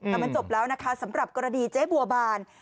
แต่มันจบแล้วนะคะสำหรับกรณีเจ๊บัวบาน